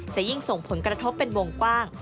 จะยิ่งส่งผลกระทบเป็นวงกว้าง